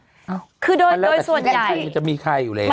ช่วงนี้ด้วยส่วนใหญ่แล้วแต่ที่นั้นใกล้จะมีใครอยู่แล้ว